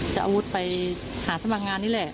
จะอาวุธไปหาสมัครงานนี่แหละ